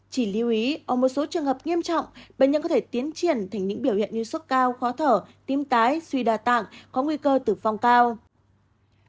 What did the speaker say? chỉ lưu ý ở một số trường hợp nghiêm trọng bệnh nhân có thể tiến triển thành những biểu hiện như sốt cao khó thở tím tái suy đa tạng có nguy cơ tử vong cao